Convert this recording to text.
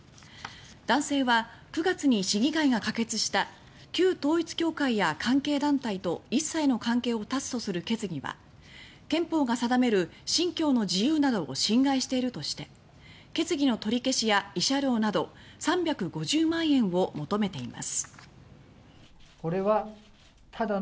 男性は９月に市議会が可決した旧統一教会や関係団体と一切の関係を断つとする決議は憲法が定める信教の自由などを侵害しているとして決議の取り消しや慰謝料など３５０万円を求めています。